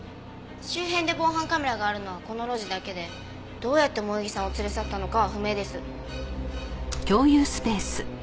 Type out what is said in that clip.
周辺で防犯カメラがあるのはこの路地だけでどうやって萌衣さんを連れ去ったのかは不明です。